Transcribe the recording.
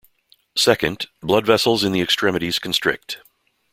Second, "blood vessels in the extremities constrict".